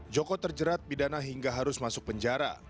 joko terjerat bidana hingga harus masuk penjara